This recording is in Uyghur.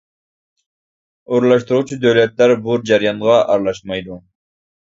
ئورۇنلاشتۇرغۇچى دۆلەتلەر بۇ جەريانغا ئارىلاشمايدۇ.